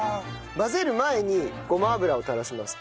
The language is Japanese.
混ぜる前にごま油を垂らします。